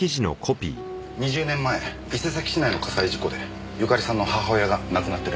２０年前伊勢崎市内の火災事故で由香利さんの母親が亡くなってるんです。